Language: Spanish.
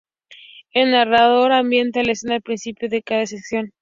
El narrador ambienta la escena al principio de cada sección.